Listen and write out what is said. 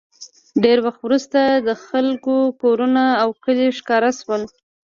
ډېر وخت وروسته د خلکو کورونه او کلي ښکاره شول